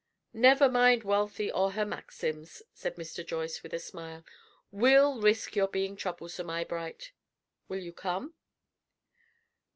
"Never mind Wealthy or her maxims," said Mr. Joyce, with a smile. "We'll risk your being troublesome, Eyebright. Will you come?"